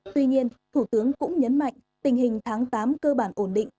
tuy nhiên thủ tướng cũng nhấn mạnh tình hình tháng tám cơ bản ổn định